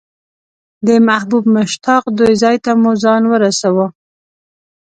د محبوب مشتاق دوی ځای ته مو ځان ورساوه.